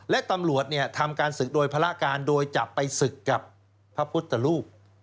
และตำรวจทำการศึกโดยภาระการโดยจับไปศึกกับพระพุทธรูป